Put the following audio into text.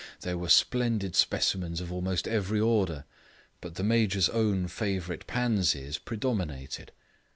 There were splendid specimens of almost every order, but the Major's own favourite pansies predominated.